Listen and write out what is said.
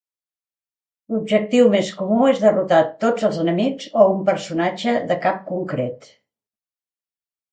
L'objectiu més comú és derrotar tots els enemics o un personatge de cap concret.